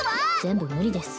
全部無理です